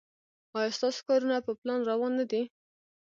ایا ستاسو کارونه په پلان روان نه دي؟